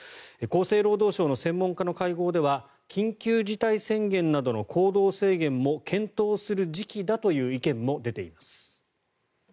厚生労働省の専門家の会合では緊急事態宣言などの行動制限も検討する時期だという意見も出ています。